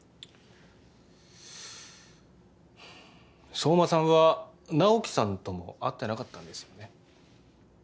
相馬さんは直木さんとも会ってなかったんですよね？